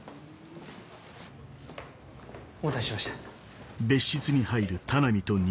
お待たせしました。